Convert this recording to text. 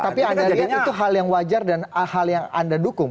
tapi anda lihat itu hal yang wajar dan hal yang anda dukung